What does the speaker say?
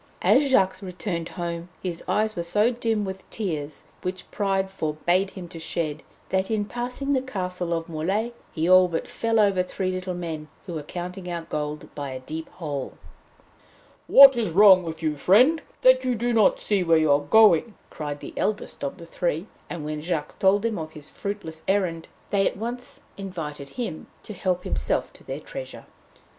As Jacques returned home his eyes were so dim with the tears which pride forbade him to shed, that in passing the castle of Morlaix he all but fell over three little men, who were counting out gold by a deep hole. 'What is wrong with you, friend, that you do not see where you are going?' cried the eldest of the three; and when Jacques told them of his fruitless errand, they at once invited him to help himself to their treasure.